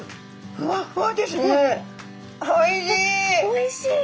おいしい！